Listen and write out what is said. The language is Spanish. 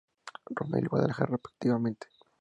Roma y al Guadalajara respectivamente.